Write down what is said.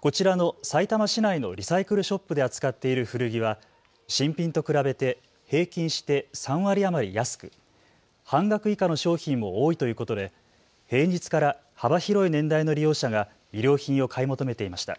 こちらのさいたま市内のリサイクルショップで扱っている古着は新品と比べて平均して３割余り安く、半額以下の商品も多いということで平日から幅広い年代の利用者が衣料品を買い求めていました。